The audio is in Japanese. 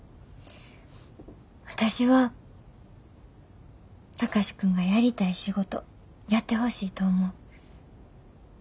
私は貴司君がやりたい仕事やってほしいと思う。